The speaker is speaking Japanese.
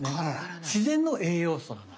自然の栄養素なので。